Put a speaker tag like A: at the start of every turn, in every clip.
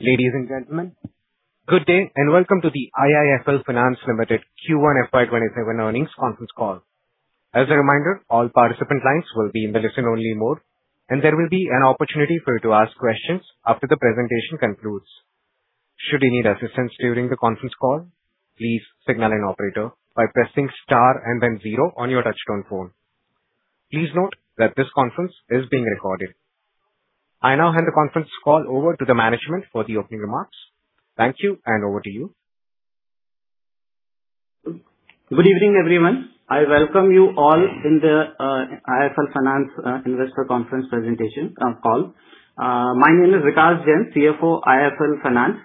A: Ladies and gentlemen, good day and welcome to the IIFL Finance Limited Q1 FY 2027 earnings conference call. As a reminder, all participant lines will be in the listen-only mode. There will be an opportunity for you to ask questions after the presentation concludes. Should you need assistance during the conference call, please signal an operator by pressing star and then zero on your touchtone phone. Please note that this conference is being recorded. I now hand the conference call over to the management for the opening remarks. Thank you, over to you.
B: Good evening, everyone. I welcome you all in the IIFL Finance investor conference presentation call. My name is Vikas Jain, CFO, IIFL Finance.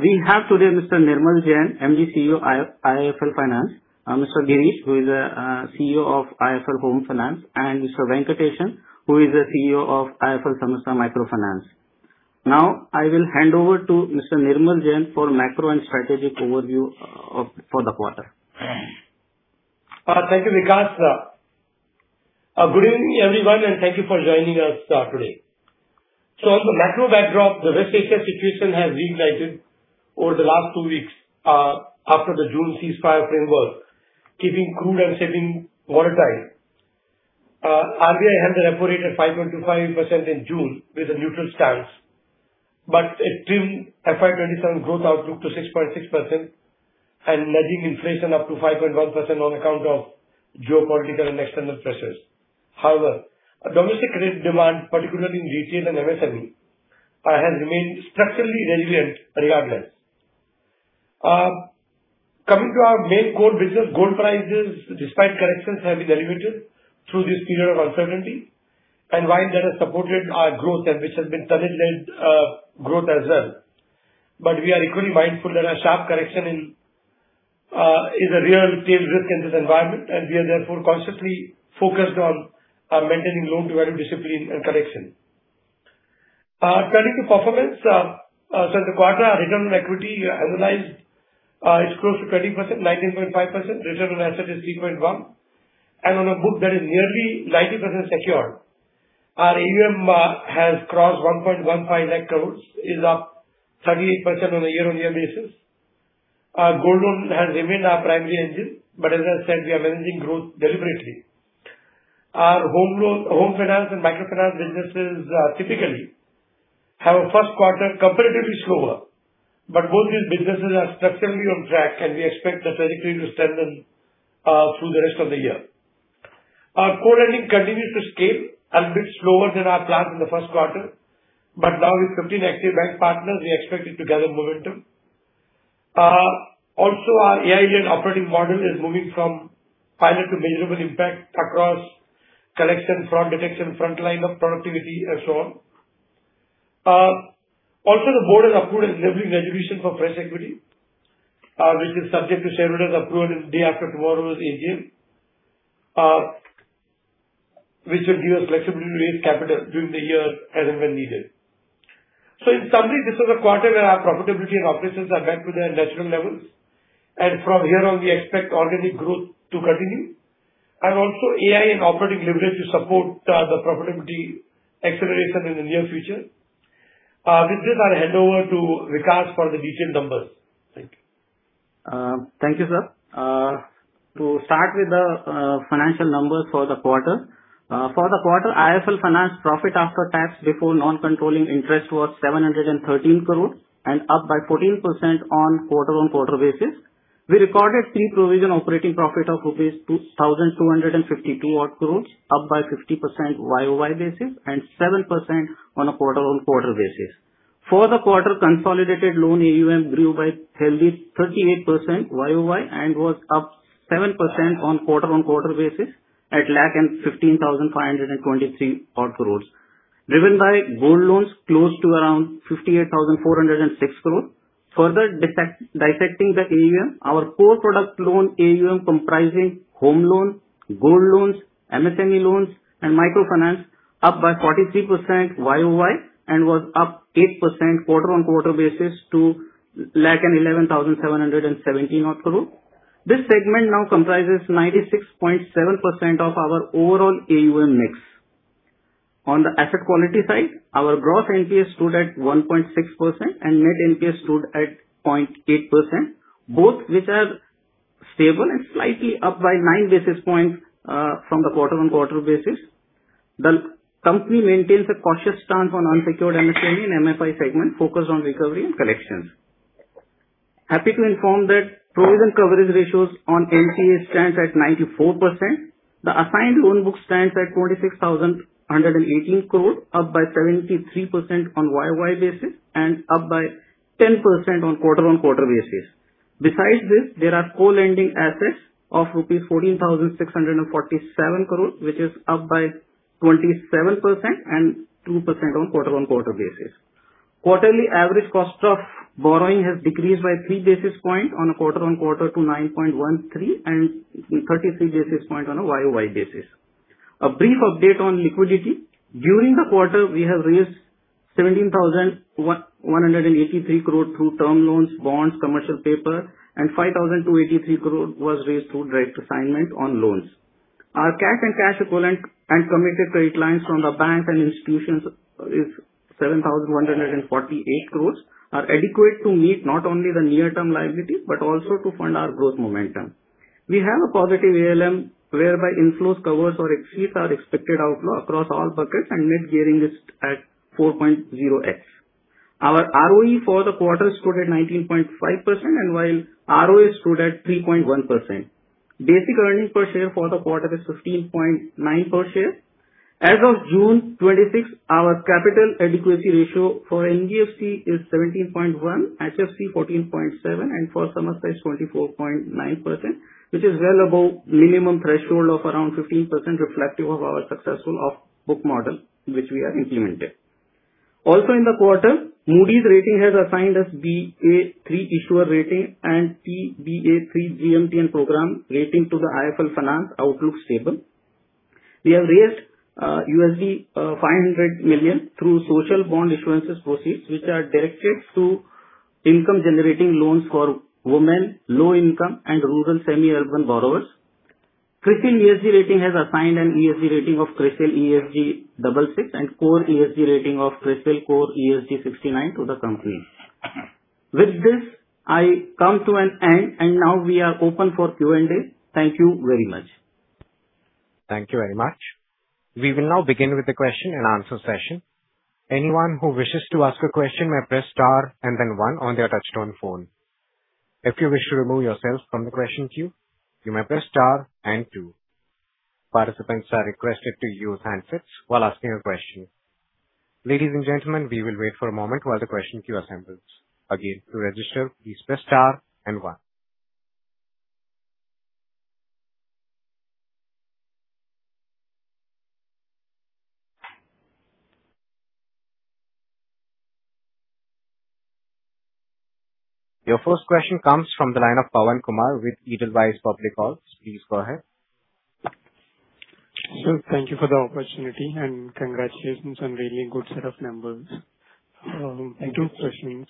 B: We have today Mr. Nirmal Jain, MD CEO, IIFL Finance, Mr. Girish, who is CEO of IIFL Home Finance, and Mr. Venkatesh N, who is the CEO of IIFL Samasta Microfinance. I will hand over to Mr. Nirmal Jain for macro and strategic overview for the quarter.
C: Thank you, Vikas. Good evening, everyone, and thank you for joining us today. On the macro backdrop, the West Asia situation has reignited over the last two weeks after the June ceasefire framework, keeping crude and shipping volatile. RBI held the repo rate at 5.5% in June with a neutral stance. It trimmed FY 2027 growth outlook to 6.6% and nudging inflation up to 5.1% on account of geopolitical and external pressures. However, domestic credit demand, particularly in retail and MSME, has remained structurally resilient regardless. Coming to our main core business, gold prices, despite corrections, have been elevated through this period of uncertainty. While they have supported our growth, which has been credit-led growth as well. We are equally mindful that a sharp correction is a real tail risk in this environment. We are therefore consciously focused on maintaining loan to value discipline and collection. Turning to performance. This quarter, our return on equity has realized it is close to 20%, 19.5%. Return on asset is 3.1%. On a book that is nearly 90% secured, our AUM has crossed 1.15 lakh crore, is up 38% on a year-on-year basis. Our gold loan has remained our primary engine. As I said, we are managing growth deliberately. Our home finance and microfinance businesses typically have a first quarter comparatively slower. Both these businesses are structurally on track. We expect the trajectory to strengthen through the rest of the year. Our co-lending continues to scale a bit slower than our plan in the first quarter, but now with 15 active bank partners, we expect it to gather momentum. Our AI-led operating model is moving from pilot to measurable impact across collection, fraud detection, frontline of productivity and so on. The board has approved an enabling resolution for fresh equity, which is subject to shareholders' approval in day-after-tomorrow's AGM, which will give us flexibility to raise capital during the year and when needed. In summary, this was a quarter where our profitability and operations are back to their natural levels. From here on, we expect organic growth to continue. AI and operating leverage to support the profitability acceleration in the near future. With this, I will hand over to Vikas for the detailed numbers. Thank you.
B: Thank you, sir. To start with the financial numbers for the quarter. For the quarter, IIFL Finance profit after tax before non-controlling interest was 713 crore and up by 14% on quarter-on-quarter basis. We recorded pre-provision operating profit of INR 2,252 crore, up by 50% YOY basis and 7% on a quarter-on-quarter basis. For the quarter, consolidated loan AUM grew by a healthy 38% YOY and was up 7% on quarter-on-quarter basis at 1,15,523 crore. Driven by gold loans close to around 58,406 crore. Further dissecting the AUM, our core product loan AUM comprising home loan, gold loans, MSME loans and microfinance up by 43% YOY and was up 8% quarter-on-quarter basis to 1,11,770 crore. This segment now comprises 96.7% of our overall AUM mix. On the asset quality side, our gross NPA stood at 1.6% and net NPA stood at 0.8%, both which are stable and slightly up by nine basis points from the quarter-on-quarter basis. The company maintains a cautious stance on unsecured MSME and MFI segment focused on recovery and collections. Happy to inform that provision coverage ratios on NPA stands at 94%. The assigned loan book stands at 26,118 crore, up by 73% on YOY basis and up by 10% on quarter-on-quarter basis. Besides this, there are co-lending assets of rupees 14,647 crore, which is up by 27% and 2% on quarter-on-quarter basis. Quarterly average cost of borrowing has decreased by three basis point on a quarter-on-quarter to 9.13% and 33 basis point on a YOY basis. A brief update on liquidity. During the quarter, we have raised 17,183 crore through term loans, bonds, commercial paper, and 5,283 crore was raised through direct assignment on loans. Our cash and cash equivalent and committed credit lines from the banks and institutions is 7,148 crore, are adequate to meet not only the near-term liability but also to fund our growth momentum. We have a positive ALM whereby inflows covers or exceeds our expected outflow across all buckets and net gearing is at 4.0x. Our ROE for the quarter stood at 19.5% and while ROA stood at 3.1%. Basic earnings per share for the quarter is 15.9 per share. As of June 26, our capital adequacy ratio for NBFC is 17.1%, HFC 14.7%, and for Samasta 24.9%, which is well above minimum threshold of around 15% reflective of our successful off-book model, which we have implemented. In the quarter, Moody's has assigned us Ba3 issuer rating and (P)Ba3 GMTN program rating to the IIFL Finance outlook stable. We have raised $500 million through social bond issuances proceeds which are directed to income-generating loans for women, low-income, and rural, semi-urban borrowers. CRISIL ESG Rating has assigned an ESG rating of CRISIL ESG 66 and core ESG rating of CRISIL Core ESG 69 to the company. With this, I come to an end and now we are open for Q&A. Thank you very much.
A: Thank you very much. We will now begin with the question and answer session. Anyone who wishes to ask a question may press star one on their touch-tone phone. If you wish to remove yourself from the question queue, you may press star two. Participants are requested to use handsets while asking a question. Ladies and gentlemen, we will wait for a moment while the question queue assembles. Again, to register, please press star and one. Your first question comes from the line of Pavan Kumar with Edelweiss Public Alternatives. Please go ahead.
D: Sir, thank you for the opportunity and congratulations on really good set of numbers.
B: Thank you.
D: Two questions.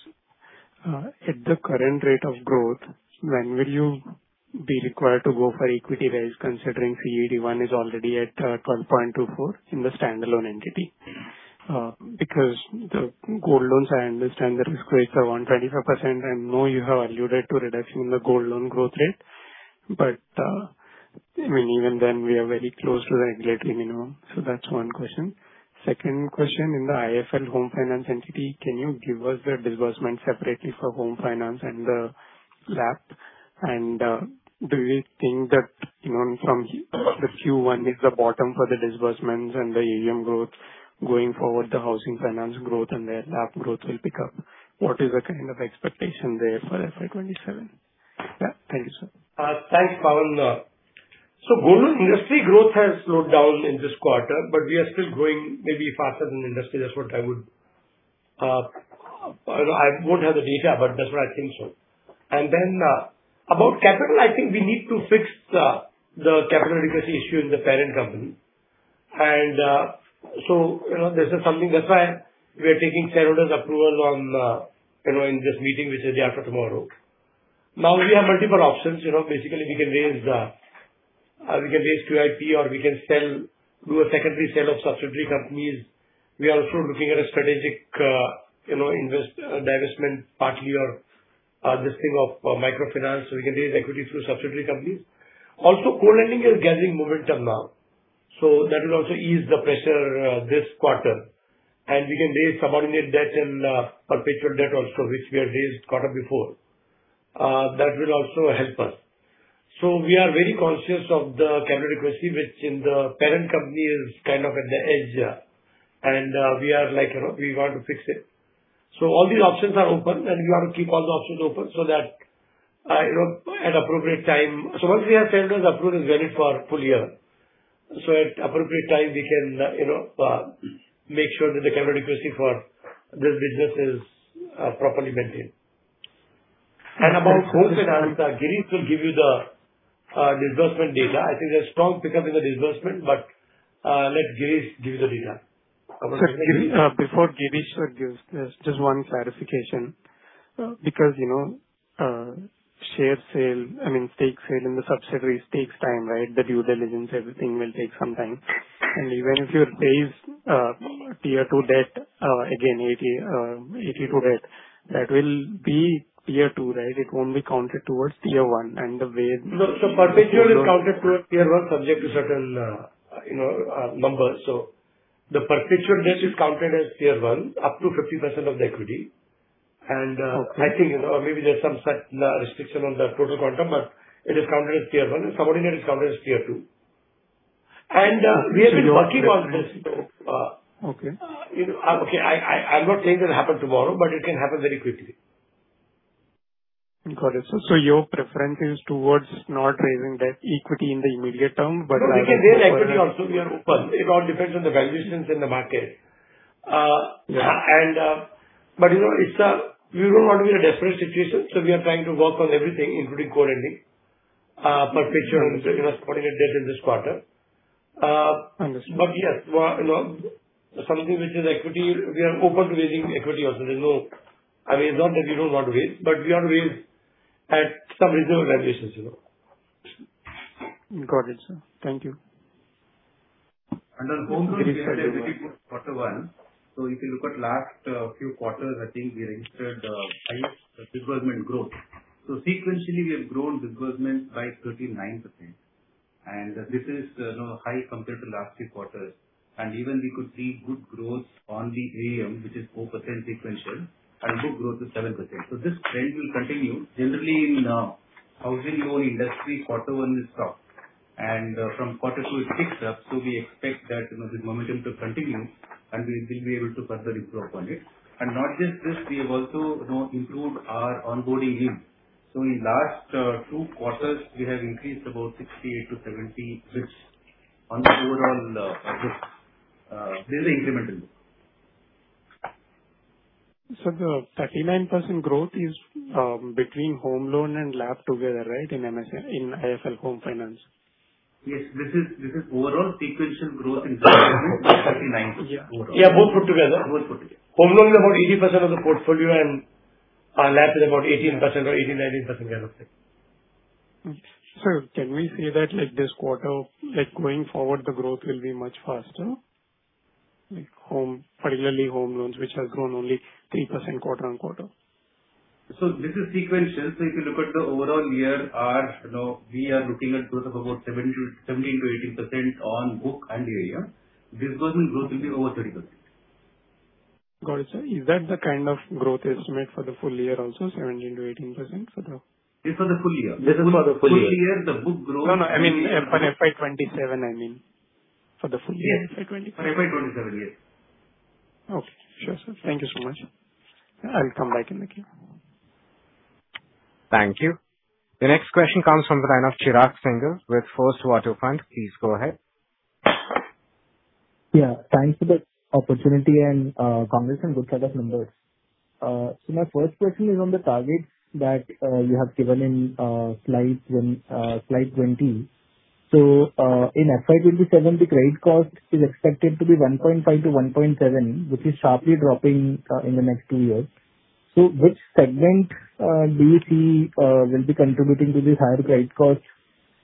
D: At the current rate of growth, when will you be required to go for equity raise, considering CET1 is already at 12.24% in the standalone entity? Because the gold loans, I understand the risk rates are 125%, I know you have alluded to reduction in the gold loan growth rate. Even then we are very close to the regulatory minimum. That's one question. Second question, in the IIFL Home Finance entity, can you give us the disbursement separately for home finance and the LAP? And do we think that, from the Q1 is the bottom for the disbursements and the ALM growth going forward, the housing finance growth and their LAP growth will pick up. What is the kind of expectation there for FY 2027? Thank you, sir.
B: Thanks, Pavan. Gold industry growth has slowed down in this quarter, but we are still growing maybe faster than industry. I won't have the data, but that's what I think so. About capital, I think we need to fix the capital adequacy issue in the parent company. This is something that's why we are taking shareholders approval on, in this meeting, which is day after tomorrow. We have multiple options. Basically, we can raise QIP or we can do a secondary sale of subsidiary companies. We are also looking at a strategic divestment partly or listing of microfinance. We can raise equity through subsidiary companies. Co-lending is gathering momentum now. That will also ease the pressure this quarter. We can raise subordinate debt and perpetual debt also, which we have raised quarter before. That will also help us. We are very conscious of the capital adequacy, which in the parent company is kind of at the edge. We are like, we want to fix it. All these options are open, and we want to keep all the options open so that at appropriate time. Once we have shareholders approval, it's valid for a full year. At appropriate time, we can make sure that the capital adequacy for this business is properly maintained. About gold finance, Girish will give you the disbursement data. I think there's strong pickup in the disbursement, but let Girish give you the data.
D: Sir, before Girish gives this, just one clarification, because share sale, I mean, stake sale in the subsidiaries takes time, right? The due diligence, everything will take some time. Even if you raise Tier 2 debt, again, AT2 debt, that will be Tier 2, right? It won't be counted towards Tier 1. The way-
B: No. Perpetual is counted towards Tier 1 subject to certain numbers. The perpetual debt is counted as Tier 1 up to 50% of the equity.
D: Okay.
B: I think, maybe there's some such restriction on the total quantum, it is counted as Tier 1 and subordinate is counted as Tier 2. We have been working on this though.
D: Okay.
B: I'm not saying it will happen tomorrow, it can happen very quickly.
D: Got it. Your preference is towards not raising that equity in the immediate term.
B: No, we can raise equity also, we are open. It all depends on the valuations in the market.
D: Yeah.
B: We don't want to be in a desperate situation, so we are trying to work on everything, including co-lending, perpetual and subordinate debt in this quarter.
D: Understood.
B: Yes. Something which is equity, we are open to raising equity also. I mean, it's not that we don't want to raise, but we want to raise
C: At some reasonable valuations.
D: Got it, sir. Thank you.
E: Under home loans quarter one. If you look at last few quarters, I think we registered high disbursement growth. Sequentially, we have grown disbursement by 39%, and this is high compared to last few quarters. Even we could see good growth on the AUM, which is 4% sequential and book growth is 7%. This trend will continue. Generally, in housing loan industry, quarter one is soft and from quarter two it picks up. We expect that this momentum to continue and we will be able to further improve on it. Not just this, we have also improved our onboarding team. In last two quarters we have increased about 68-70 on the overall book. This is incremental.
D: Sir, the 39% growth is between home loan and LAP together, right? In IIFL Home Finance.
E: Yes. This is overall sequential growth in disbursement is 39% overall.
B: Yeah, both put together.
E: Both put together. Home loans are about 80% of the portfolio, and our LAP is about 18% or 18%-19%, I don't think.
D: Sir, can we say that, like this quarter, going forward, the growth will be much faster, particularly home loans, which has grown only 3% quarter-on-quarter.
E: This is sequential. If you look at the overall year, we are looking at growth of about 17%-18% on book and AUM. Disbursement growth will be over 30%.
D: Got it, sir. Is that the kind of growth estimate for the full year also 17%-18%?
E: It's for the full year.
B: This is for the full year.
E: Full year, the book growth-
D: No, I mean for FY 2027, I mean, for the full year FY 2027.
E: For FY 2027, yes.
D: Okay, sure sir. Thank you so much, sir. I'll come back in the queue.
A: Thank you. The next question comes from the line of Chirag Singhal with First Water Fund. Please go ahead.
F: Thanks for the opportunity and congrats on good set of numbers. My first question is on the target that you have given in slide 20. In FY 2027, the credit cost is expected to be 1.5%-1.7%, which is sharply dropping in the next two years. Which segment do you see will be contributing to this higher credit cost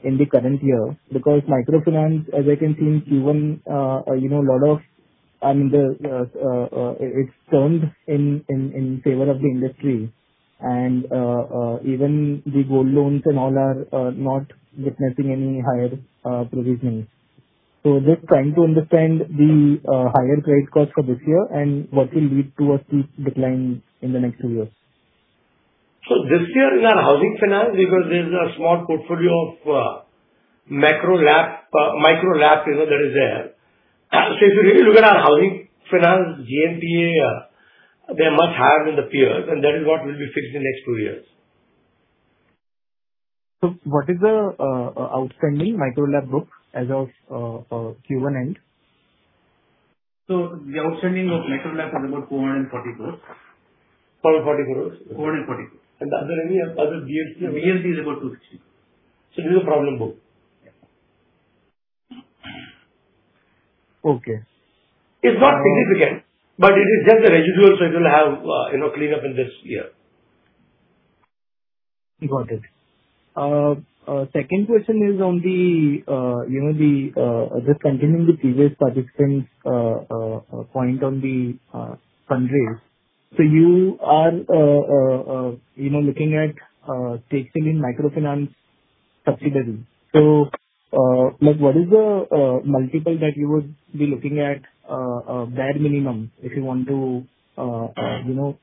F: in the current year? Because microfinance, as I can see, a lot of it's turned in favor of the industry and even the gold loans and all are not witnessing any higher provisioning. Just trying to understand the higher credit cost for this year and what will lead towards the decline in the next two years.
E: This year is our housing finance because there is a small portfolio of micro LAP that is there. If you really look at our housing finance GNPA, they are much higher than the peers and that is what will be fixed in next two years.
F: What is the outstanding micro LAP book as of Q1 end?
E: The outstanding of micro LAP is about 440 crore.
F: 440 crore.
E: 440 crore.
F: Are there any other GNPs?
E: GNP is about 2.6%. This is a problem book.
F: Okay.
C: It's not significant, but it is just a residual, so it will have cleanup in this year.
F: Got it. Second question is just continuing the previous participant's point on the fundraise. You are looking at taking in microfinance subsidiary. What is the multiple that you would be looking at bare minimum if you want to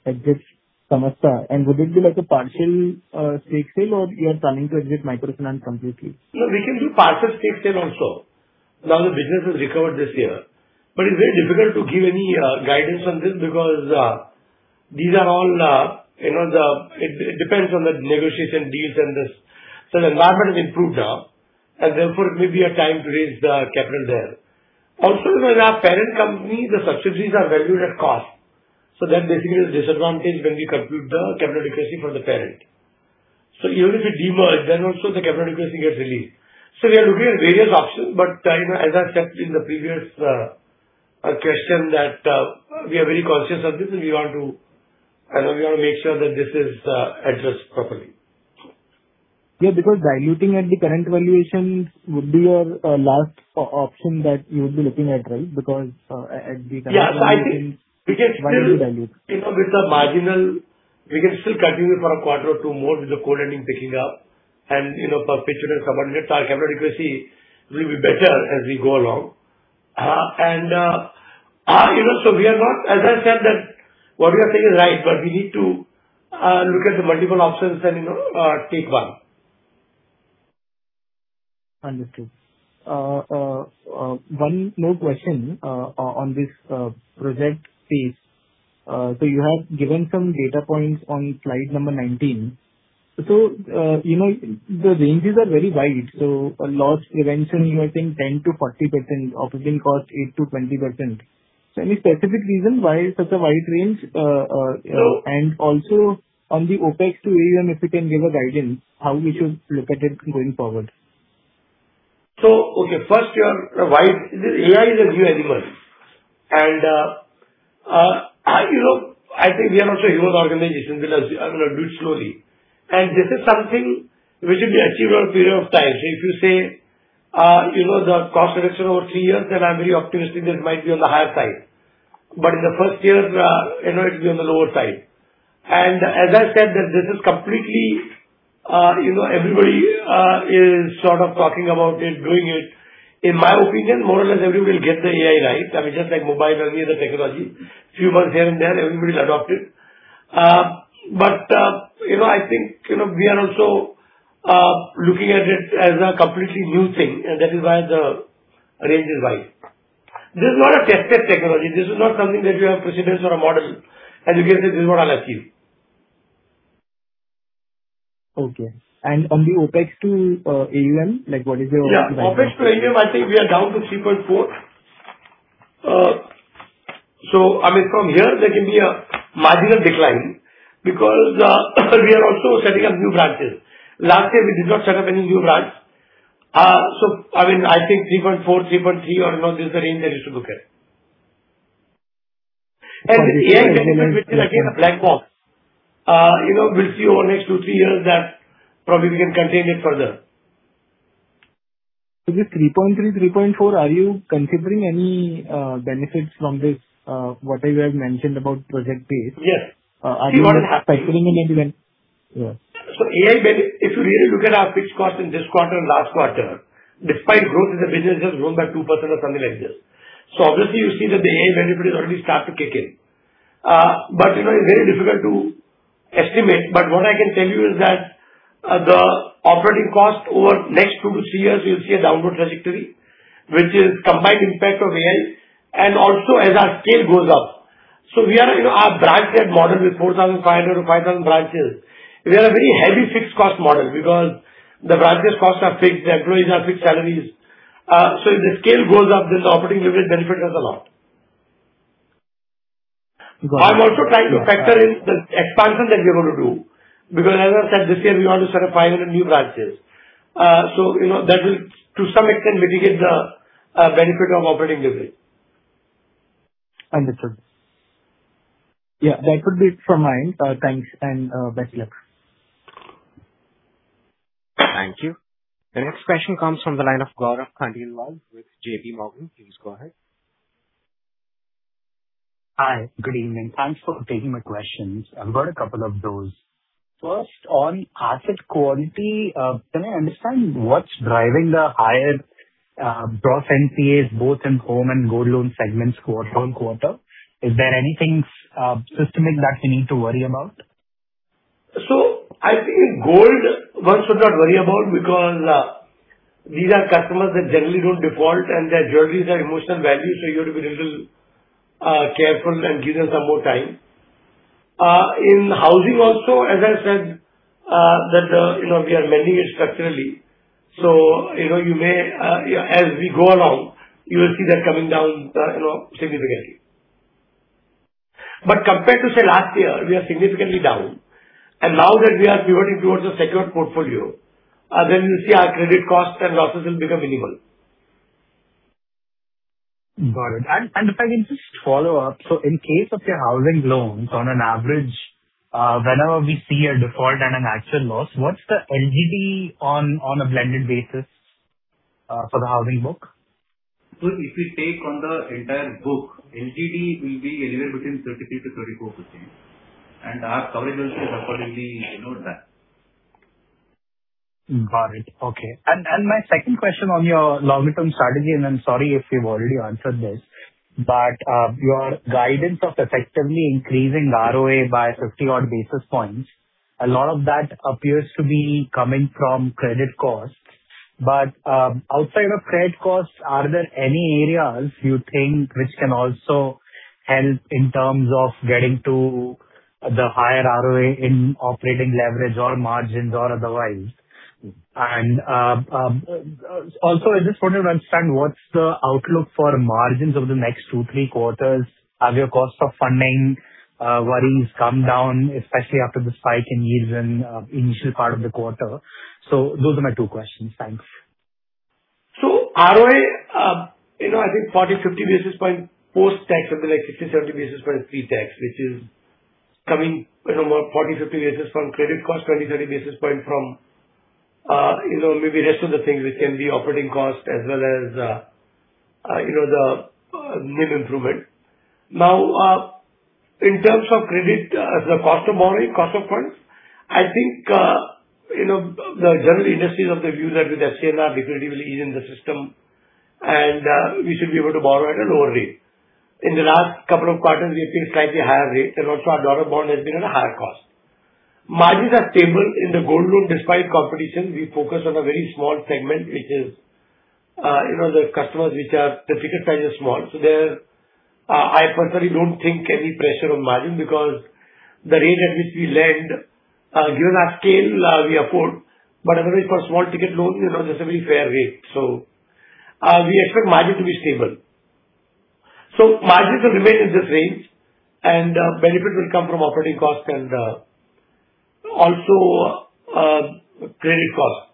F: exit Samasta? And would it be like a partial stake sale or you are planning to exit microfinance completely?
C: No, we can do partial stake sale also now the business has recovered this year, but it's very difficult to give any guidance on this because it depends on the negotiation deals and this. The environment has improved now and therefore it may be a time to raise the capital there. Also with our parent company, the subsidiaries are valued at cost. That basically is a disadvantage when we compute the capital adequacy for the parent. Even if we demerge, then also the capital adequacy gets relieved. We are looking at various options. As I said in the previous question, that we are very conscious of this and we want to make sure that this is addressed properly.
F: Yeah, because diluting at the current valuations would be your last option that you would be looking at, right?
C: Yeah. I think we can.
F: Why would you dilute?
C: with the marginal, we can still continue for a quarter or two more with the core lending picking up and perpetual subordinated debt, our capital adequacy will be better as we go along. As I said, what you are saying is right, but we need to look at the multiple options and take one.
F: Understood. One more question on this project piece. You have given some data points on slide number 19. The ranges are very wide. Loss prevention, I think 10%-40%, operating cost 8%-20%. Any specific reason why such a wide range?
C: No.
F: Also on the OpEx to AUM, if you can give a guidance how we should look at it going forward.
C: First, AI is a new animal. I think we are also a human organization because we are going to do it slowly, this is something which will be achieved over a period of time. If you say, the cost reduction over three years, then I'm very optimistic this might be on the higher side. In the first year, it will be on the lower side. As I said, everybody is sort of talking about it, doing it. In my opinion, more or less everybody will get the AI right. I mean, just like mobile and other technology. Few months here and there, everybody will adopt it. I think we are also looking at it as a completely new thing, that is why the range is wide. This is not a tested technology. This is not something that you have precedents or a model, you can say, "This is what I'll achieve.
F: Okay. On the OpEx to AUM, what is your-
C: Yeah. OpEx to AUM, I think we are down to 3.4. From here, there can be a marginal decline because we are also setting up new branches. Last year, we did not set up any new branch. I think 3.4, 3.3 or this is the range that you should look at. AI benefits, which are, again, black box. We'll see over the next two, three years that probably we can contain it further.
F: This 3.3, 3.4, are you considering any benefits from this, whatever you have mentioned about Project PACE?
C: Yes.
F: Are you factoring in any benefits? Yeah.
C: AI benefit, if you really look at our fixed cost in this quarter and last quarter, despite growth in the business, has grown by 2% or something like this. Obviously you see that the AI benefit has already started to kick in. It is very difficult to estimate. What I can tell you is that the operating cost over next two to three years, you will see a downward trajectory, which is combined impact of AI and also as our scale goes up. Our branch-led model with 4,500-5,000 branches, we are a very heavy fixed cost model because the branches cost are fixed, the employees are fixed salaries. If the scale goes up, then the operating leverage benefits us a lot. I am also trying to factor in the expansion that we are going to do, because as I said, this year we want to set up 500 new branches. That will, to some extent, mitigate the benefit of operating leverage.
F: Understood. Yes, that would be it from my end. Thanks and best luck.
A: Thank you. The next question comes from the line of Gaurav Khandelwal with JPMorgan. Please go ahead.
G: Hi. Good evening. Thanks for taking my questions. I've got a couple of those. First, on asset quality, can I understand what's driving the higher gross NPAs both in home and gold loan segments quarter-on-quarter? Is there anything systemic that we need to worry about?
C: I think gold, one should not worry about because these are customers that generally don't default and their jewelry are emotional value, so you have to be little careful and give them some more time. In housing also, as I said, that we are mending it structurally. As we go along, you will see that coming down significantly. Compared to, say, last year, we are significantly down. Now that we are pivoting towards a secured portfolio, then we'll see our credit costs and losses will become minimal.
G: Got it. If I can just follow up. In case of your housing loans, on an average, whenever we see a default and an actual loss, what's the LGD on a blended basis for the housing book?
C: If we take on the entire book, LGD will be anywhere between 33%-34%, and our coverage will stay accordingly below that.
G: Got it. Okay. My second question on your longer-term strategy, I'm sorry if you've already answered this, your guidance of effectively increasing ROA by 50-odd basis points, a lot of that appears to be coming from credit costs. Outside of credit costs, are there any areas you think which can also help in terms of getting to the higher ROA in operating leverage or margins or otherwise? Also, I just wanted to understand what's the outlook for margins over the next two, three quarters. Have your cost of funding worries come down, especially after the spike in yields in initial part of the quarter? Those are my two questions. Thanks.
C: ROA, I think 40, 50 basis points post-tax, something like 60, 70 basis points pre-tax, which is coming from 40, 50 basis points credit cost, 20, 30 basis points from maybe rest of the things which can be operating cost as well as the NIM improvement. In terms of credit, the cost of borrowing, cost of funds, I think the general industry is of the view that with FCNR definitively easing the system, we should be able to borrow at a lower rate. In the last couple of quarters, we have seen slightly higher rates and also our dollar bond has been at a higher cost. Margins are stable in the gold loan despite competition. We focus on a very small segment, the customers which their ticket size is small. There, I personally don't think any pressure on margin because the rate at which we lend, given our scale, we afford. Otherwise, for small-ticket loans, that's a very fair rate. We expect margin to be stable. Margins will remain in this range, and benefit will come from operating costs and also credit costs.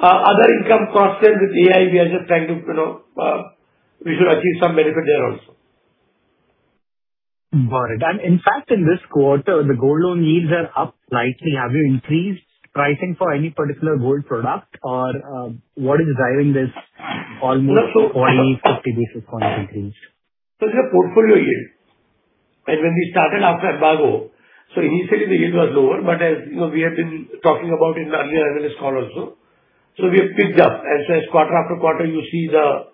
C: Other income costs with AI, we should achieve some benefit there also.
G: Got it. In fact, in this quarter, the gold loan yields are up slightly. Have you increased pricing for any particular gold product or what is driving this almost 20, 50 basis points increase?
C: It's a portfolio yield. When we started after embargo, initially the yield was lower. As we have been talking about in earlier analyst call also, we have picked up. As quarter after quarter, you see the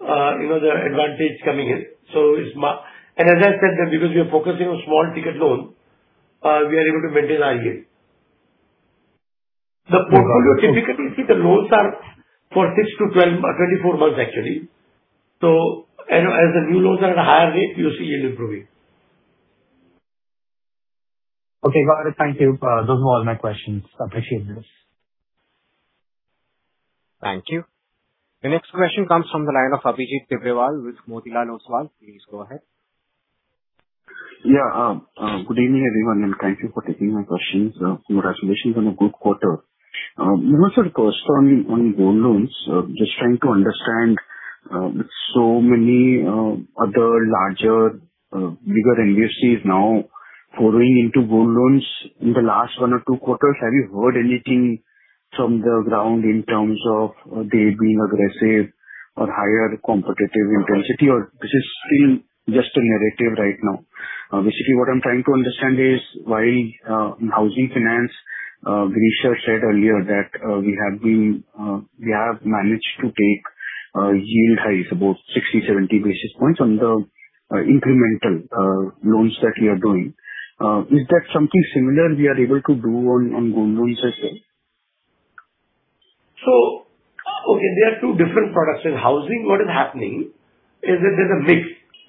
C: advantage coming in. As I said then, because we are focusing on small ticket loans, we are able to maintain our yield. The portfolio, typically see the loans are for 6 to 24 months actually. As the new loans are at a higher rate, you see yield improving.
G: Okay. Got it. Thank you. Those were all my questions. Appreciate this.
A: Thank you. The next question comes from the line of Abhijit Tibrewal with Motilal Oswal. Please go ahead.
H: Good evening, everyone, thank you for taking my questions. Congratulations on a good quarter. Nirmal sir, first on gold loans, just trying to understand with so many other larger, bigger NBFCs now pouring into gold loans in the last one or two quarters, have you heard anything from the ground in terms of they being aggressive or higher competitive intensity, or this is still just a narrative right now? Basically, what I'm trying to understand is, while in housing finance, Girish said earlier that we have managed to take yield highs, about 60, 70 basis points on the incremental loans that we are doing. Is that something similar we are able to do on gold loans as well?
C: Okay, they are two different products. In housing, what is happening is that there's a mix,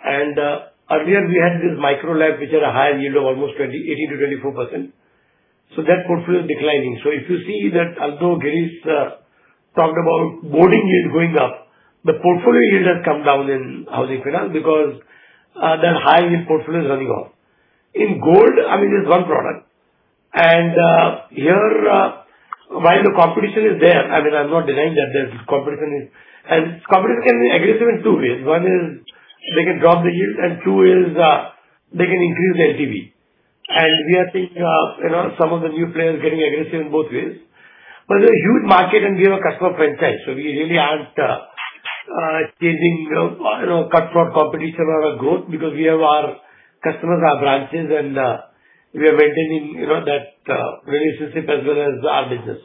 C: and earlier we had these micro LAP which had a higher yield of almost 18%-24%. That portfolio is declining. If you see that although Girish talked about boarding yield going up, the portfolio yield has come down in housing finance because that high-yield portfolio is running off. In gold, I mean, it is one product. Here, while the competition is there, I mean, I'm not denying that there's competition. Competition can be aggressive in two ways. One is they can drop the yield, and two is they can increase the LTV. We are seeing some of the new players getting aggressive in both ways. There's a huge market, and we have a customer franchise, so we really aren't chasing cutthroat competition or growth because we have our customers, our branches, and we are maintaining that relationship as well as our business.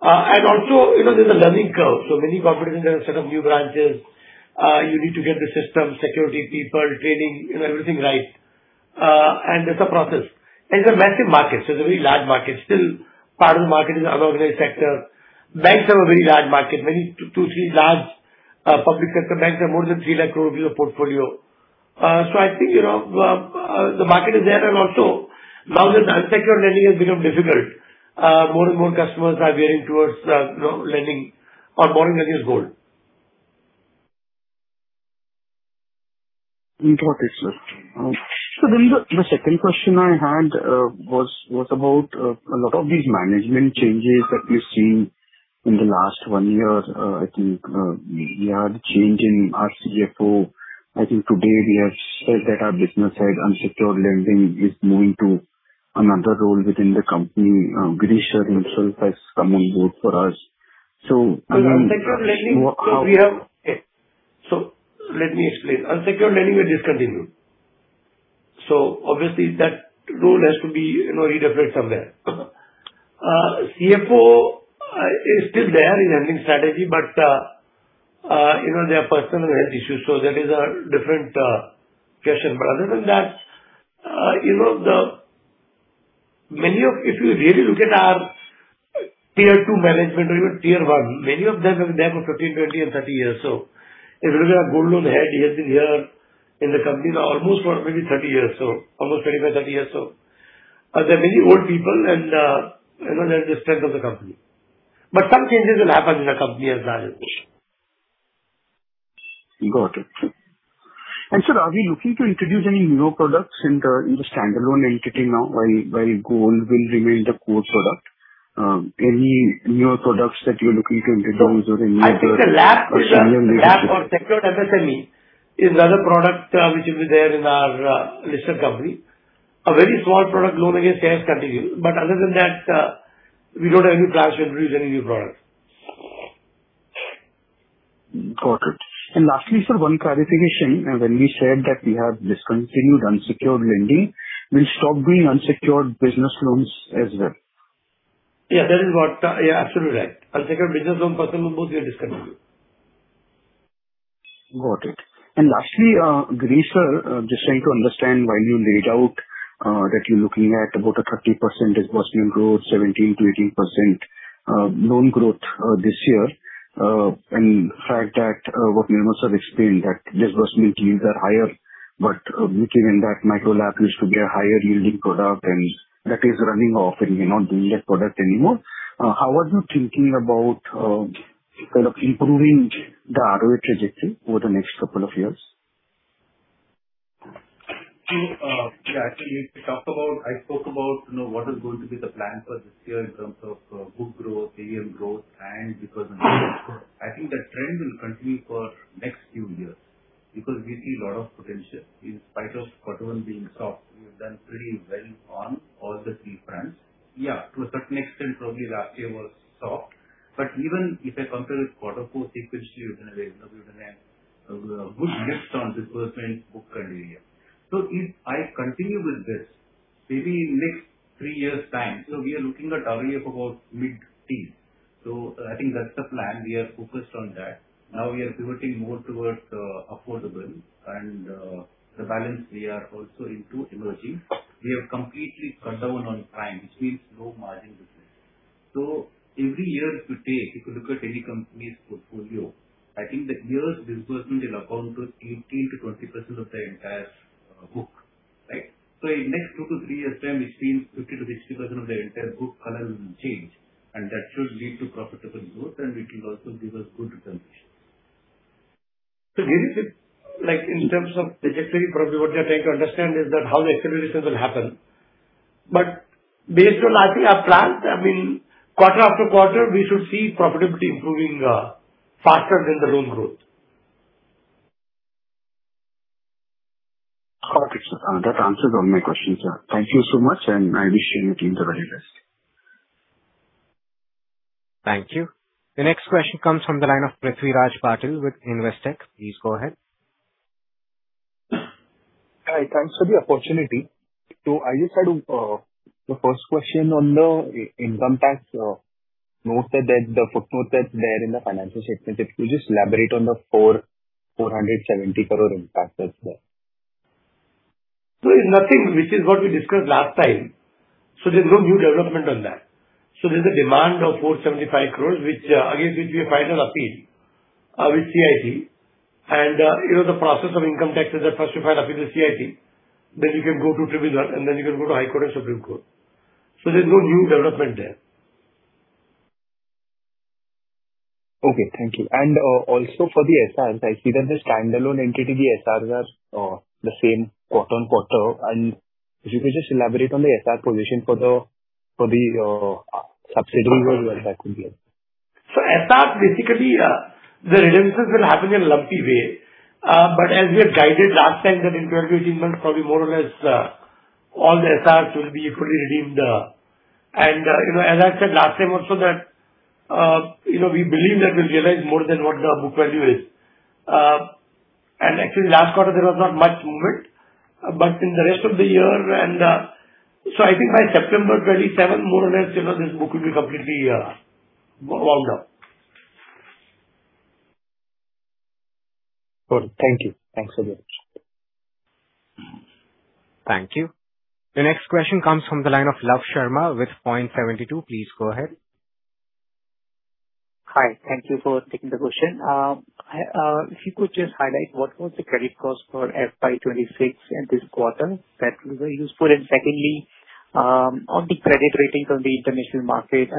C: Also there's a learning curve. Many competitors have set up new branches. You need to get the system, security, people, training, everything right. That's a process. It's a massive market. It's a very large market. Still part of the market is unorganized sector. Banks have a very large market. Two, three large public sector banks have more than 3 lakh crore rupees in the portfolio. I think the market is there and also now that unsecured lending has become difficult, more and more customers are veering towards lending or borrowing against gold.
H: Got it, sir. The second question I had was about a lot of these management changes that we've seen in the last one year. I think we had a change in our CFO. I think today we have said that our business head, unsecured lending is moving to another role within the company. Girish sir himself has come on board for us.
C: Unsecured lending, let me explain. Unsecured lending we have discontinued. Obviously that role has to be redefined somewhere. CFO is still there in handling strategy, but there are personal health issues, that is a different question. Other than that, if you really look at our Tier 2 management or even Tier 1, many of them have been there for 13, 20 or 30 years or so. If you look at our gold loan head, he has been here in the company now almost maybe 30 years or so. Almost 25, 30 years or so. There are many old people and they are the strength of the company. Some changes will happen in a company as large as this.
H: Got it. Sir, are we looking to introduce any new products in the standalone entity now, while gold will remain the core product? Any newer products that you're looking to introduce or any other?
C: I think the LAP or tech for MSME is the other product which will be there in our listed company. A very small product loan against shares continues. Other than that, we don't have any plans to introduce any new product.
H: Got it. Lastly, sir, one clarification. When we said that we have discontinued unsecured lending, we'll stop doing unsecured business loans as well?
C: Yeah, absolutely right. Unsecured business loan, personal loan, both get discontinued.
H: Got it. Lastly, Girish sir, just trying to understand why you laid out that you're looking at about a 30% disbursement growth, 17%-18% loan growth this year. The fact that what Nirmal explained, that disbursement yields are higher But within that micro LAP used to be a higher yielding product, and that is running off and may not be a product anymore. How are you thinking about improving the ROE trajectory over the next couple of years?
E: Actually, I spoke about what is going to be the plan for this year in terms of book growth, AUM growth, and disbursement. I think that trend will continue for next few years because we see a lot of potential. In spite of quarter one being soft, we have done pretty well on all the three fronts. To a certain extent, probably last year was soft. But even if I compare with quarter four sequentially, we have given a good lift on disbursement book and AUM. If I continue with this, maybe in next three years' time, we are looking at ROE of about mid-teens. I think that's the plan. We are focused on that. Now we are pivoting more towards affordable, and the balance we are also into emerging. We have completely cut down on prime, which means low-margin business. Every year if you take, if you look at any company's portfolio, I think that year's disbursement will account to 18%-20% of their entire book. Right? In next two to three years' time, which means 50%-60% of their entire book color will change, and that should lead to profitable growth, and it will also give us good returns. Really in terms of trajectory, probably what you are trying to understand is that how the acceleration will happen. Based on last year, our plan, quarter after quarter, we should see profitability improving faster than the loan growth.
H: Perfect, sir. That answers all my questions. Thank you so much, I wish your team the very best.
A: Thank you. The next question comes from the line of Prithviraj Patil with Investec. Please go ahead.
I: Hi. Thanks for the opportunity. I just had the first question on the income tax note that the footnotes that is there in the financial statements. If you just elaborate on the 470 crore impact that is there.
B: It is nothing. Which is what we discussed last time. There is no new development on that. There is a demand of 475 crore, which again will be a final appeal with CIT. You know the process of income tax is that first you file appeal to CIT, then you can go to tribunal, then you can go to High Court and Supreme Court. There is no new development there.
I: Okay. Thank you. Also for the SRs, I see that the standalone entity, the SRs are the same quarter-on-quarter. If you could just elaborate on the SR position for the subsidiary where you have that.
B: SRs basically, the redemptions will happen in a lumpy way. But as we have guided last time, that in 12-18 months, probably more or less, all the SRs will be fully redeemed. As I said last time also that we believe that we will realize more than what the book value is. Actually, last quarter, there was not much movement. In the rest of the year, I think by September 2027, more or less, this book will be completely wound up.
I: Good. Thank you. Thanks very much.
A: Thank you. The next question comes from the line of Lav Sharma with Point72. Please go ahead.
J: Hi. Thank you for taking the question. If you could just highlight what was the credit cost for FY 2026 and this quarter, that will be very useful. Secondly, on the credit ratings on the international market,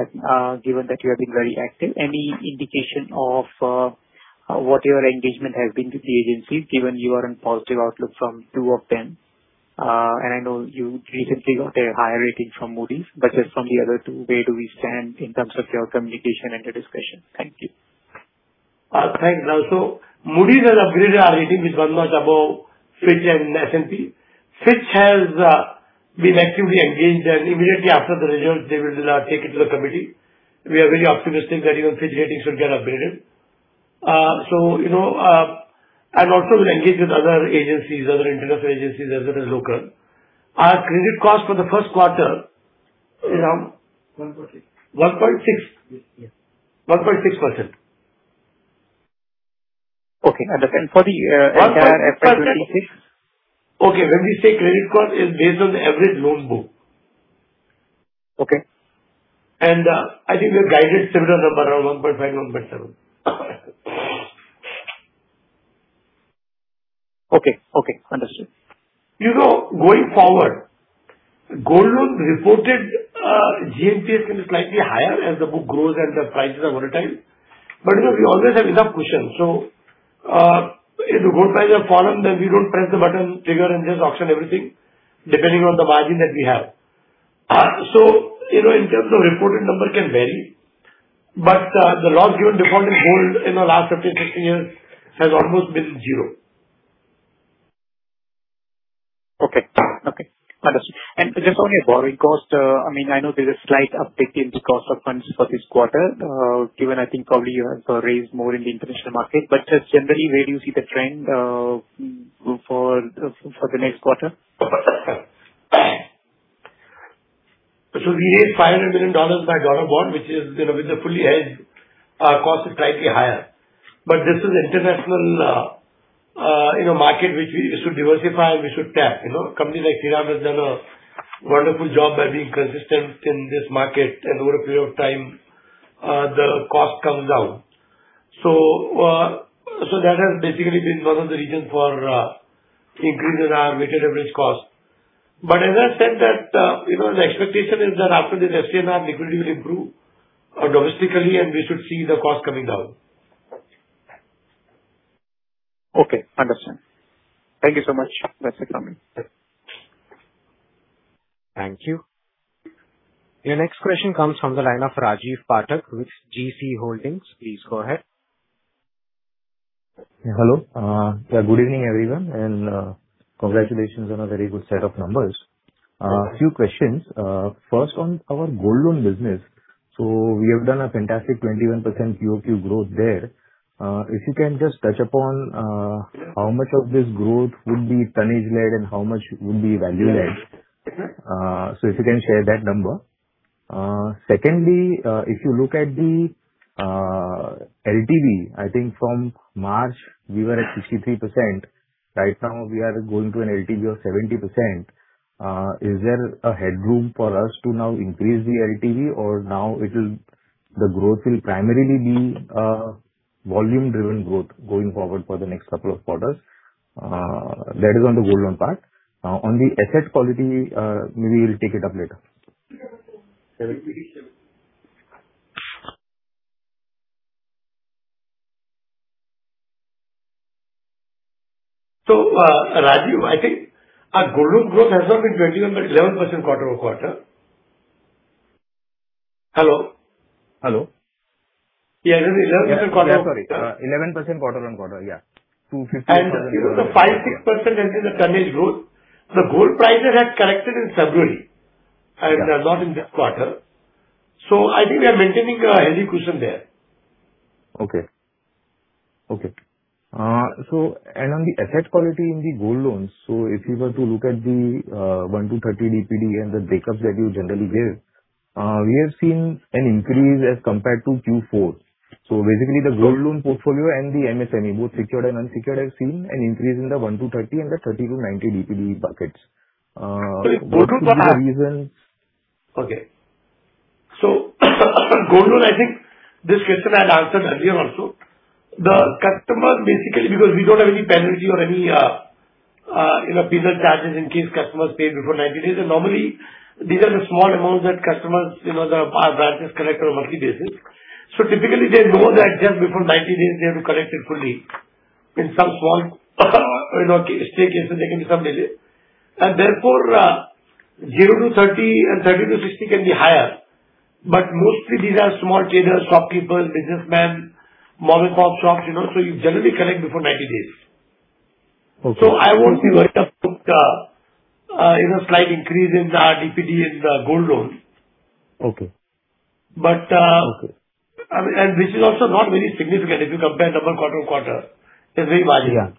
J: given that you have been very active, any indication of what your engagement has been with the agencies, given you are on positive outlook from two of them? I know you recently got a higher rating from Moody's, but just from the other two, where do we stand in terms of your communication and your discussion? Thank you.
B: Thanks, Lav. Moody's has upgraded our rating with one notch above Fitch and S&P. Fitch has been actively engaged, and immediately after the results, they will take it to the committee. We are very optimistic that even Fitch rating should get upgraded. Also we'll engage with other agencies, other international agencies as well as local. Our credit cost for the first quarter is around-
C: 1.6%.
B: 1.6%.
C: Yes.
B: 1.6%.
J: Okay. Understood. For the entire FY 2026?
C: 1.6%. Okay. When we say credit cost, it's based on the average loan book.
J: Okay.
C: I think we have guided similar number, around 1.5%, 1.7%.
J: Okay. Understood.
C: Going forward, gold loans reported GNPA can be slightly higher as the book grows and the prices are volatile. We always have enough cushion. If the gold prices have fallen, then we don't press the button, trigger, and just auction everything depending on the margin that we have. In terms of reported number can vary. The loss given default in gold in the last 15, 16 years has almost been zero.
J: Okay. Understood. Just on your borrowing cost, I know there's a slight uptick in the cost of funds for this quarter, given, I think probably you have raised more in the international market. Just generally, where do you see the trend for the next quarter?
B: We raised $500 million by dollar bond, which is going to be the fully hedged. Our cost is slightly higher. This is international market which we should diversify and we should tap. A company like Shriram has done a wonderful job by being consistent in this market. Over a period of time, the cost comes down.
C: That has basically been one of the reasons for the increase in our weighted average cost. As I said that the expectation is that after this FCNR liquidity will improve domestically and we should see the cost coming down.
J: Okay. Understand. Thank you so much. That's it from me.
A: Thank you. Your next question comes from the line of Rajiv Pathak with GC Holdings. Please go ahead.
K: Hello. Good evening, everyone, and congratulations on a very good set of numbers. A few questions. First, on our gold loan business. We have done a fantastic 21% QOQ growth there. If you can just touch upon how much of this growth would be tonnage led and how much would be value led. If you can share that number. Secondly, if you look at the LTV, I think from March we were at 63%. Right now we are going to an LTV of 70%. Is there a headroom for us to now increase the LTV or now the growth will primarily be volume driven growth going forward for the next couple of quarters? That is on the gold loan part. On the asset quality, maybe we'll take it up later.
C: Rajiv, I think our gold loan growth has not been 21%, but 11% quarter-over-quarter. Hello?
K: Hello.
C: Yeah, 11% quarter-over-quarter.
K: Sorry, 11% quarter-on-quarter, yeah.
C: The 5%-6% is in the tonnage growth. The gold prices have corrected in February and not in this quarter. I think we are maintaining a healthy cushion there.
K: Okay. On the asset quality in the gold loans, if you were to look at the 1-30 DPD and the breakups that you generally give, we have seen an increase as compared to Q4. Basically the gold loan portfolio and the MSME, both secured and unsecured, have seen an increase in the 1-30 and the 30-90 DPD buckets. What could be the reasons?
C: Okay. Gold loan, I think this question I had answered earlier also. We don't have any penalty or any penal charges in case customers pay before 90 days. Normally, these are the small amounts that customers, their branches collect on a monthly basis. Typically they know that just before 90 days they have to collect it fully. In some small stake, yes, there can be some delay. Therefore, 0-30 and 30-60 can be higher. Mostly these are small traders, shopkeepers, businessmen, mobile phone shops. You generally collect before 90 days.
K: Okay.
C: I won't be worried about the slight increase in the DPD in the gold loans.
K: Okay.
C: This is also not very significant if you compare number quarter-over-quarter, it's very marginal.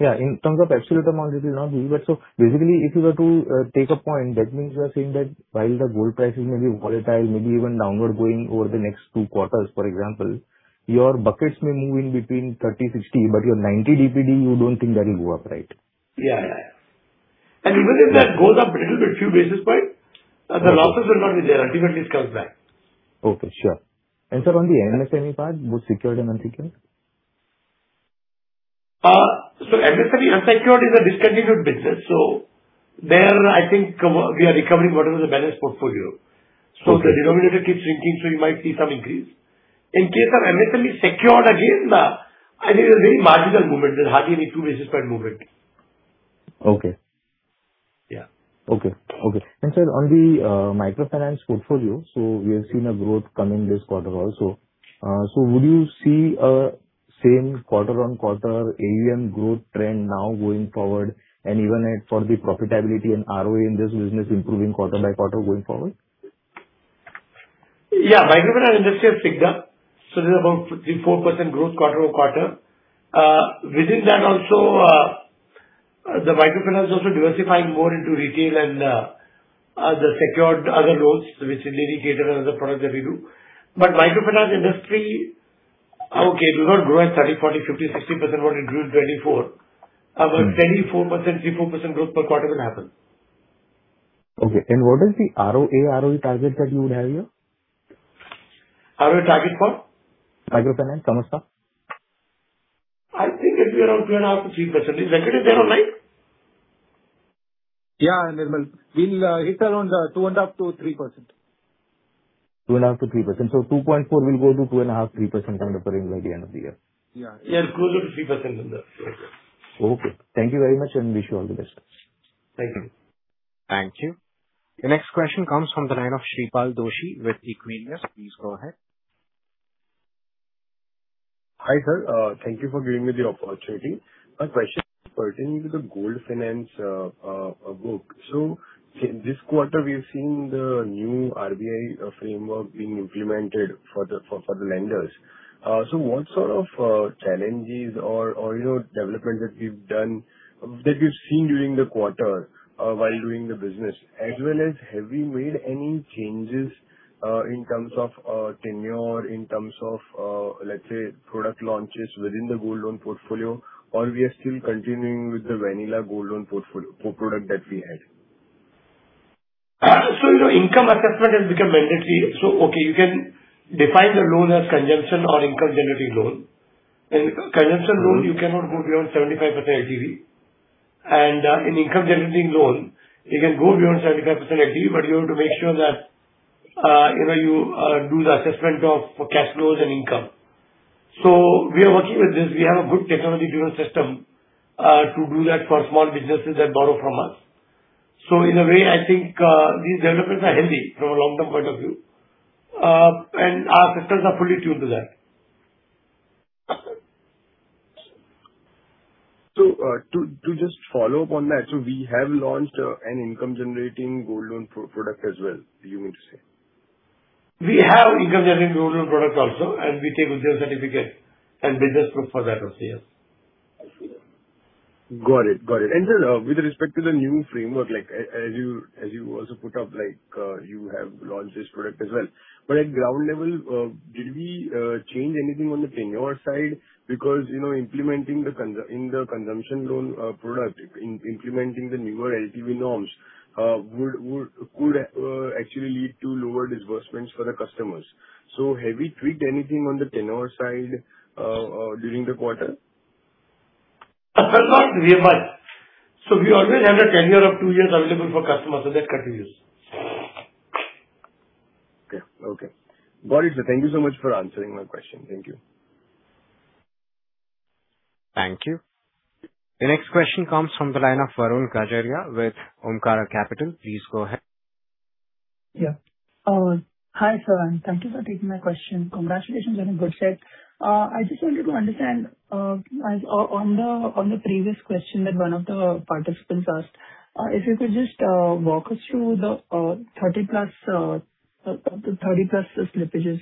K: Yeah. In terms of absolute amount, it is not big. Basically, if you were to take a point, that means we're saying that while the gold prices may be volatile, maybe even downward going over the next two quarters, for example, your buckets may move in between 30, 60, but your 90 DPD, you don't think that will go up, right?
C: Yeah. Even if that goes up a little bit, a few basis points, the losses are not there. Ultimately, it comes back.
K: Okay, sure. Sir, on the MSME part, both secured and unsecured?
C: MSME unsecured is a discontinued business. There, I think we are recovering whatever is the balance portfolio. The denominator keeps shrinking, so you might see some increase. In case of MSME secured again, I think it's a very marginal movement, hardly any two basis point movement.
K: Okay.
C: Yeah.
K: Okay. Sir, on the microfinance portfolio, we have seen a growth coming this quarter also. Would you see a same quarter-on-quarter AUM growth trend now going forward and even for the profitability and ROE in this business improving quarter-by-quarter going forward?
C: Microfinance industry has picked up. There's about 3%-4% growth quarter-over-quarter. Within that also, the microfinance also diversifying more into retail and the secured other loans, which is Udyogini scheme and other products that we do. Microfinance industry, okay, we won't grow at 30%, 40%, 50%, 60% what it grew in 2024. About 3%-4% growth per quarter will happen.
K: Okay. What is the ROE target that you would have here?
C: ROE target for?
K: Microfinance, Samasta.
C: I think it'll be around 2.5%-3%. Venkatesh are you online?
L: Yeah, Nirmal. We'll hit around 2.5%-3%.
K: 2.5%-3%. 2.4% will go to 2.5%-3% kind of a range by the end of the year.
L: Yeah. Yeah, 2%-3% is the figure.
K: Okay. Thank you very much, and wish you all the best.
C: Thank you.
A: Thank you. The next question comes from the line of Shreepal Doshi with Equirus. Please go ahead.
M: Hi, sir. Thank you for giving me the opportunity. My question is pertaining to the gold finance book. In this quarter, we have seen the new RBI framework being implemented for the lenders. What sort of challenges or development that you've seen during the quarter while doing the business? As well as have you made any changes in terms of tenure, in terms of, let's say, product launches within the gold loan portfolio, or we are still continuing with the vanilla gold loan product that we had?
C: Income assessment has become mandatory. Okay, you can define the loan as consumption or income-generating loan. In consumption loan, you cannot go beyond 75% LTV, and in income-generating loan, you can go beyond 75% LTV, but you have to make sure that you do the assessment of cash flows and income. We are working with this. We have a good technology-driven system to do that for small businesses that borrow from us. In a way, I think these developments are healthy from a long-term point of view. Our systems are fully tuned to that.
M: To just follow up on that, we have launched an income-generating gold loan product as well, do you mean to say?
C: We have income-generating gold loan product also, and we take a clear certificate and business proof for that also. Yes, absolutely.
M: Got it. Sir, with respect to the new framework, as you also put up, you have launched this product as well. At ground level, did we change anything on the tenure side? Because implementing the consumption loan product, implementing the newer LTV norms could actually lead to lower disbursements for the customers. Have we tweaked anything on the tenure side during the quarter?
C: Not really. We always have a tenure of two years available for customers, so that continues.
M: Okay. Got it, sir. Thank you so much for answering my question. Thank you.
A: Thank you. The next question comes from the line of Varun Gajaria with Omkara Capital. Please go ahead.
N: Yeah. Hi, sir, thank you for taking my question. Congratulations on a good set. I just wanted to understand on the previous question that one of the participants asked, if you could just walk us through the 30+ slippages.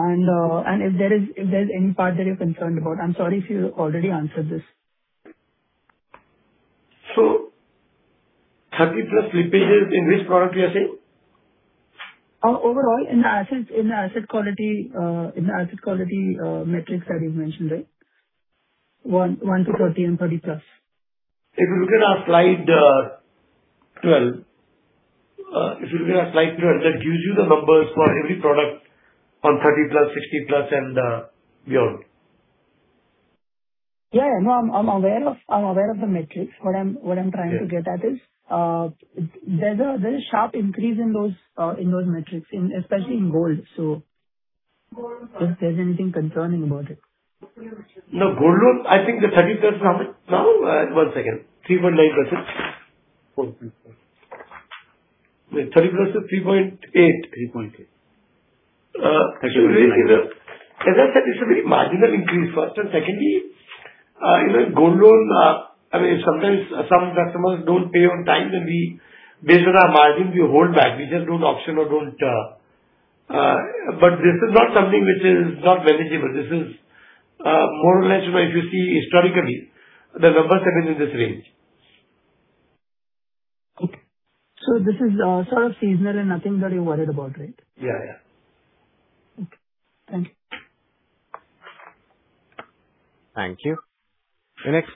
N: If there's any part that you're concerned about. I'm sorry if you already answered this.
C: 30+ slippages, in which product you are saying?
N: Overall in the asset quality metrics that you mentioned. 1-30 and 30+.
C: If you look at our slide 12, that gives you the numbers for every product on 30+, 60+ and beyond.
N: Yeah. No, I'm aware of the metrics. What I'm trying to get at is there is a very sharp increase in those metrics, especially in gold. If there's anything concerning about it.
C: No, gold loan, I think the 30+ is how much now? One second. 3.8%, was it? 30+ is 3.8%.
N: 3.8%.
C: As I said, it's a very marginal increase, first. Secondly, gold loan, sometimes some customers don't pay on time, and based on our margin, we hold back. We just don't auction. This is not something which is not manageable. This is more or less, if you see historically, the numbers have been in this range.
N: Okay. This is sort of seasonal and nothing that you're worried about, right?
C: Yeah.
N: Okay. Thank you.
A: Thank you. Your next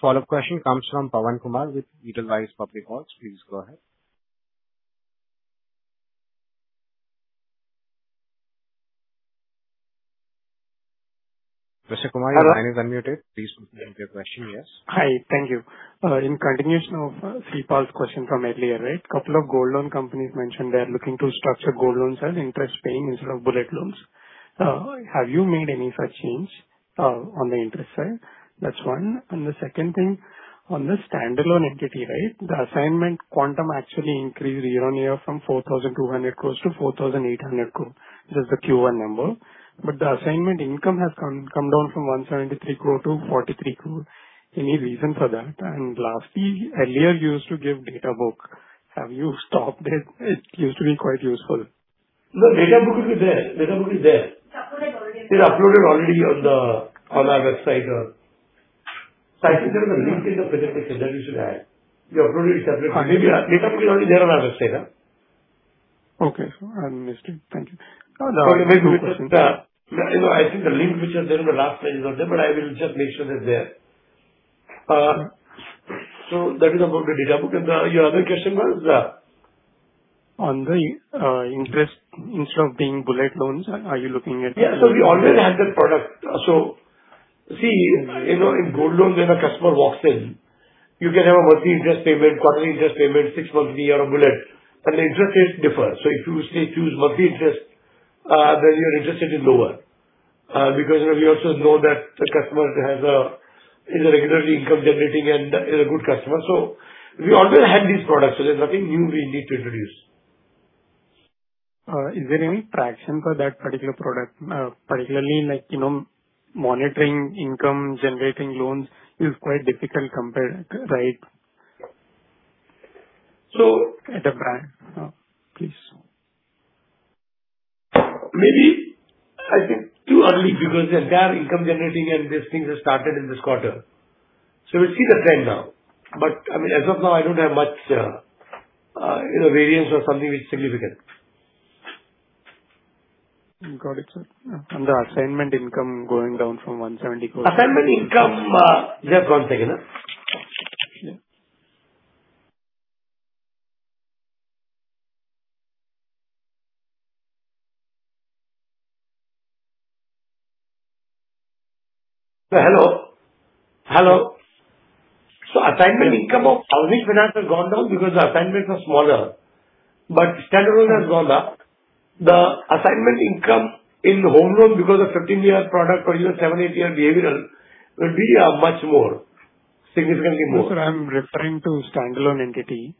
A: follow-up question comes from Pavan Kumar with Edelweiss Public Alternatives. Please go ahead. Mr. Kumar-
D: Hello.
A: Your line is unmuted. Please go ahead with your question. Yes.
D: Hi. Thank you. In continuation of Singhal's question from earlier, couple of gold loan companies mentioned they are looking to structure gold loans as interest paying instead of bullet loans. Have you made any such change on the interest side? That's one. The second thing, on the standalone entity, the assignment quantum actually increased year-over-year from 4,200 crore to 4,800 crore. This is the Q1 number. The assignment income has come down from 173 crore to 43 crore. Any reason for that? Lastly, earlier you used to give data book. Have you stopped it? It used to be quite useful.
C: No, data book is there. It's uploaded already. It's uploaded already on our website. I think there was a link in the presentation that we should add. We upload a separate link. Data book is already there on our website.
D: Okay. I missed it. Thank you. No worries.
C: I think the link, which is there on the last page is there, but I will just make sure it is there. That is about the data book. Your other question was?
D: On the interest, instead of being bullet loans, are you looking at.
C: We always had that product. In gold loans when a customer walks in, you can have a monthly interest payment, quarterly interest payment, six monthly or a bullet, and the interest rate differs. If you say choose monthly interest, then your interest rate is lower. We also know that the customer is a regular income-generating and is a good customer. We always had these products. There's nothing new we need to introduce.
D: Is there any traction for that particular product? Particularly like monitoring income-generating loans is quite difficult compared, right?
C: So-
D: At the bank. Please.
C: I think too early because they are income generating and these things have started in this quarter. We'll see the trend now. As of now, I don't have much variance or something which is significant.
D: Got it, sir. The assignment income going down from 170 crore.
C: Assignment income. Just one second. Hello? Hello? Assignment income of IIFL Home Finance has gone down because the assignments are smaller. Standalone has gone up. The assignment income in home loan because of 15-year product for your seven, eight-year behavioral would be much more, significantly more.
D: No, sir, I'm referring to standalone entity.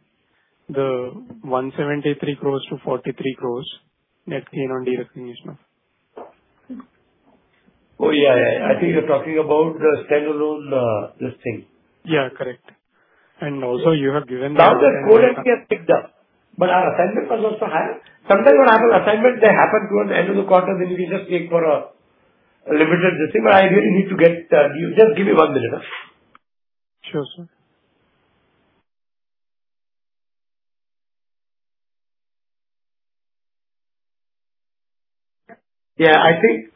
D: The 173 crore to 43 crore net gain on derecognition.
C: Oh, yeah. I think you're talking about the standalone listing.
D: Yeah, correct. Also you have given the-
C: That is co-lending has picked up, but our assignment was also higher. Sometimes what happens, assignment, they happen towards the end of the quarter, we can just take for a limited listing. I really need to get-- Just give me one minute.
D: Sure, sir.
C: Yeah, I think.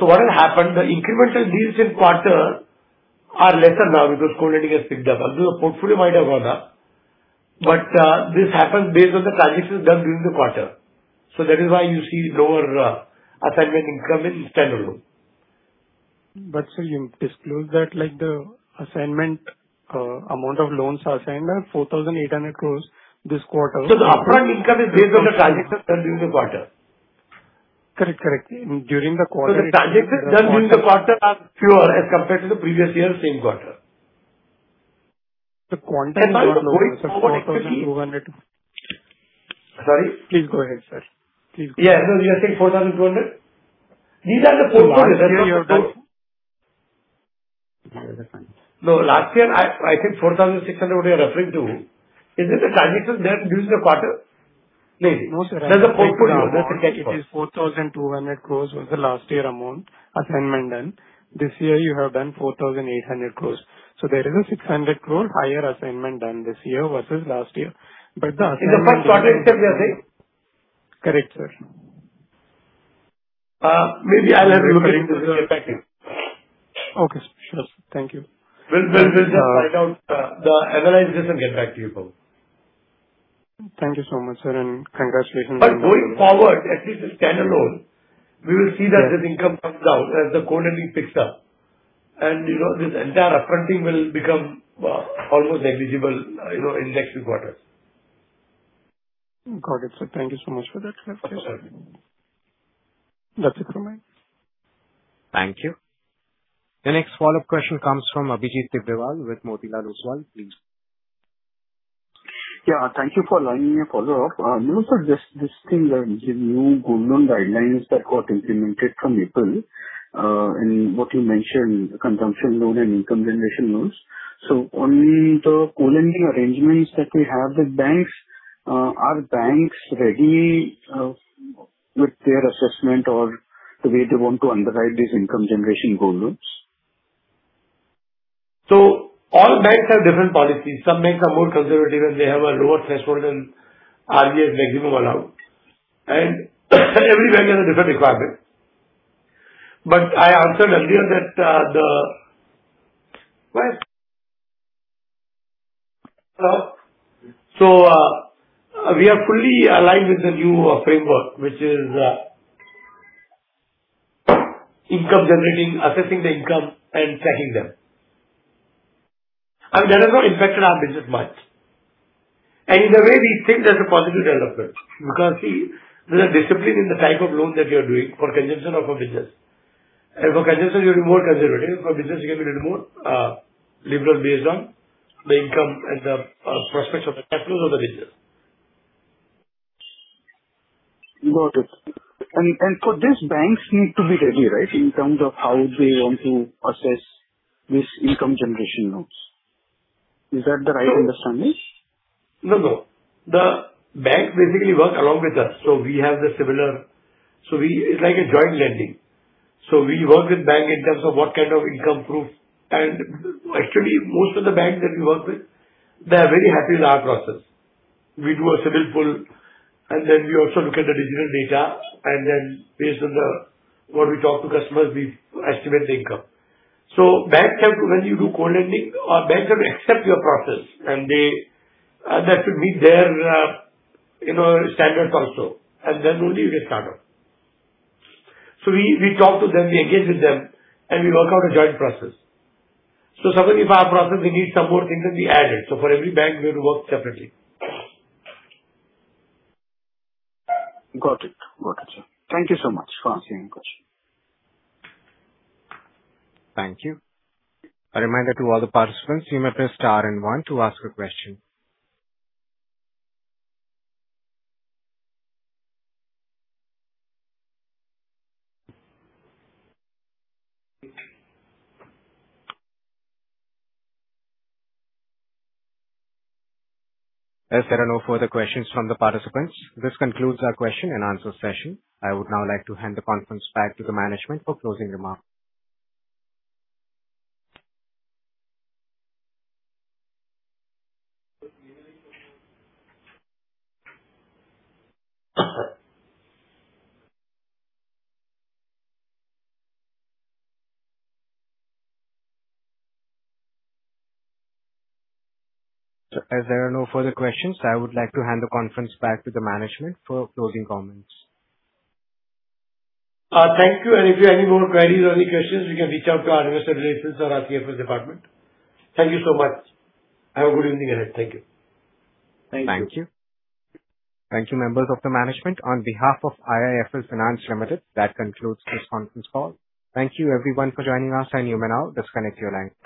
C: What will happen, the incremental deals in quarter are lesser now because co-lending has picked up. Although the portfolio might have gone up. This happens based on the targets which is done during the quarter. That is why you see lower assignment income in standalone.
D: Sir, you disclose that the assignment amount of loans are assigned at INR 4,800 crore this quarter.
C: The upfront income is based on the targets that are done during the quarter.
D: Correct. During the quarter-
C: The targets done during the quarter are fewer as compared to the previous year same quarter.
D: The quantum is not lower, sir. INR 4,200 crore-
C: Sorry?
D: Please go ahead, sir.
C: Yeah. No, you are saying 4,200 crore? These are the portfolios.
D: Last year you have done.
C: No, last year, I think 4,600 crore you are referring to. Is it the targets that are done during the quarter? Maybe.
D: No, sir.
C: That's the portfolio.
D: It is 4,200 crore was the last year amount assignment done. This year, you have done 4,800 crore. There is a 600 crore higher assignment done this year versus last year.
C: In the first quarter itself, you are saying?
D: Correct, sir.
C: Maybe I'll have to get into this and get back to you.
D: Okay, sure sir. Thank you.
C: We'll just find out the analysis and get back to you, Pavan.
D: Thank you so much, sir, and congratulations.
C: Going forward, at least the standalone, we will see that this income comes down as the co-lending picks up. This entire upfronting will become almost negligible in next quarters.
D: Got it, sir. Thank you so much for that clarity.
C: Okay, sir.
D: That's it from me.
A: Thank you. The next follow-up question comes from Abhijit Tibrewal with Motilal Oswal. Please.
H: Yeah, thank you for allowing me a follow-up. Sir, just this thing, the new gold loan guidelines that got implemented from April, and what you mentioned, consumption loan and income generation loans. On the co-lending arrangements that we have with banks, are banks ready with their assessment or the way they want to underwrite these income-generation gold loans?
C: All banks have different policies. Some banks are more conservative, and they have a lower threshold than RBI's maximum allowed. Every bank has a different requirement. I answered earlier that we are fully aligned with the new framework, which is income-generating, assessing the income, and tracking them. That has not impacted our business much. In a way, we think that's a positive development because, see, there's a discipline in the type of loan that you're doing for consumption or for business. For consumption, you'll be more conservative. For business, you can be little more liberal based on the income and the prospects of the customers of the business.
H: Got it. For this, banks need to be ready, right? In terms of how they want to assess this income-generation loans. Is that the right understanding?
C: No. The banks basically work along with us. It's like a joint lending. We work with banks in terms of what kind of income proof. Actually, most of the banks that we work with, they are very happy with our process. We do a CIBIL pull, and then we also look at the digital data, and then based on what we talk to customers, we estimate the income. When you do co-lending, our banks have to accept your process, and that should meet their standards also. Only you get started. We talk to them, we engage with them, and we work out a joint process. Sometimes if our process, they need some more things then we add it. For every bank, we will work separately.
H: Got it. Got it, sir. Thank you so much for answering the question.
A: Thank you. A reminder to all the participants, you may press star one to ask a question. As there are no further questions from the participants, this concludes our question and answer session. I would now like to hand the conference back to the management for closing remarks. As there are no further questions, I would like to hand the conference back to the management for closing comments.
C: Thank you. If you have any more queries or any questions, you can reach out to our investor relations or our CFO's department. Thank you so much. Have a good evening ahead. Thank you.
A: Thank you. Thank you, members of the management. On behalf of IIFL Finance Limited, that concludes this conference call. Thank you everyone for joining us. You may now disconnect your lines.